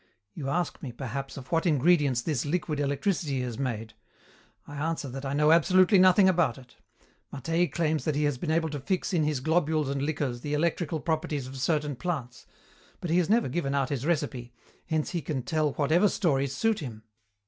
You ask me, perhaps, of what ingredients this liquid electricity is made. I answer that I know absolutely nothing about it. Mattei claims that he has been able to fix in his globules and liquors the electrical properties of certain plants, but he has never given out his recipe, hence he can tell whatever stories suit him.